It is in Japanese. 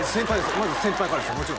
まず先輩からですよ